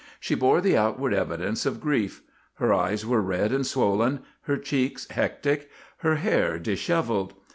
She bore the outward evidence of grief. Her eyes were red and swollen, her cheeks hectic, her hair disheveled.